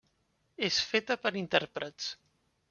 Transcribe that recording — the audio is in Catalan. És feta per intèrprets.